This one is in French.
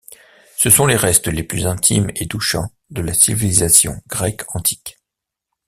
Ce sont les restes les plus intimes et touchants de la civilisation grecque antique.